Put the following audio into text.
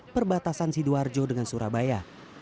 perbatasan sidoarjo dengan surabaya